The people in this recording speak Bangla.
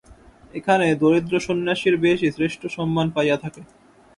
এখানে দরিদ্র সন্ন্যাসীর বেশই শ্রেষ্ঠ সম্মান পাইয়া থাকে।